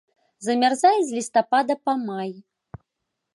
Замярзае з лістапада па май.